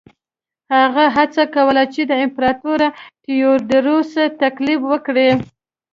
هغه هڅه کوله چې د امپراتور تیوودروس تقلید وکړي.